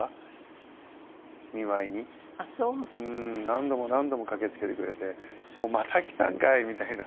何度も何度も駆けつけてくれてまた来たんかいみたいな。